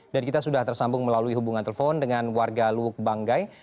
dan kita sudah tersambung melalui hubungan telepon dengan warga luwuk banggai